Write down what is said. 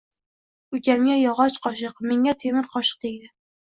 Ukamga yog‘och qoshiq, menga temir qoshiq tegdi.